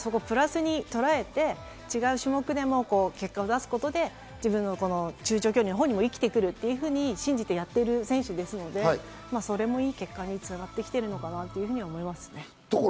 そこを高木選手はプラスにとらえて、違う種目でも結果を出すことで自分の中長距離にもいきてくると信じてやっている選手ですので、それもいい結果につながってきているのかなと思います。